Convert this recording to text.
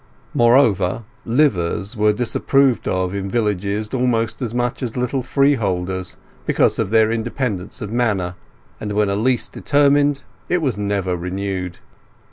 Moreover, "liviers" were disapproved of in villages almost as much as little freeholders, because of their independence of manner, and when a lease determined it was never renewed.